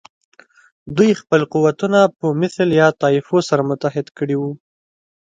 دوی خپل قوتونه په مثل یا طایفو سره متحد کړي وو.